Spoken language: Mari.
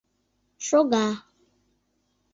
Шога